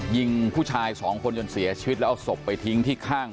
ยิงผู้ชายสองคนจนเสียชีวิตแล้วเอาศพไปทิ้งที่ข้าง